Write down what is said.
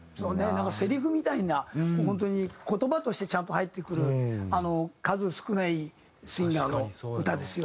なんかせりふみたいな本当に言葉としてちゃんと入ってくる数少ないシンガーの歌ですよ